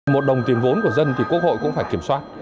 một đồng tiền vốn của dân thì quốc hội cũng phải kiểm soát